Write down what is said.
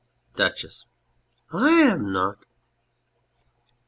DUCHESS. I am not.